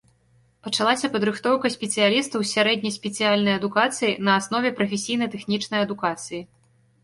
Пачалася падрыхтоўка спецыялістаў з сярэдняй спецыяльнай адукацыяй на аснове прафесійна-тэхнічнай адукацыі.